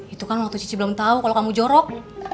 itu kan waktu cici belum tahu kalau kamu jorok